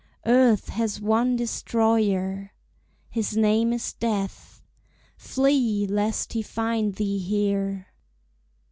Earth has one destroyer His name is Death: flee, lest he find thee here!"